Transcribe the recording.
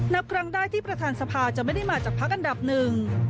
นับครั้งได้ที่ประธานสภาจะไม่ได้มาจากพักอันดับหนึ่ง